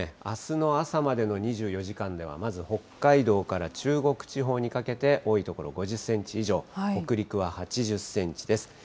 あすの朝までの２４時間では、まず北海道から中国地方にかけて多い所５０センチ以上、北陸は８０センチです。